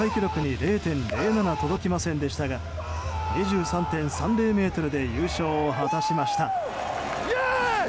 ０．０７には届きませんでしたが２３．３０ｍで優勝を果たしました。